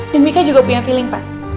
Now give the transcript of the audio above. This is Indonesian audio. dan mika juga punya feeling pa